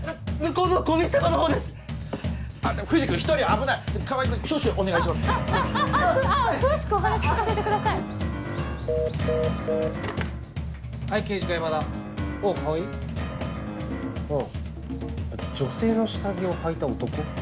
うん女性の下着をはいた男？